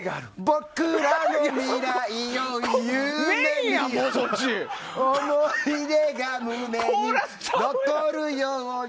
僕らの未来を夢見よう思い出が胸に残るように。